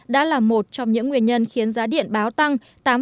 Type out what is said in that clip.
đã là một trong những nguyên nhân khiến giá điện báo tăng tám ba mươi sáu